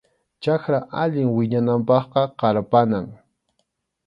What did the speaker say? Chakra allin wiñananpaqqa qarpanam.